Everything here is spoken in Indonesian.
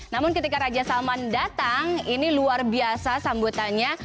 namun ketika raja salman datang ini luar biasa sambutannya